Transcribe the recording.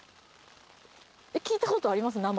聞いたことあります？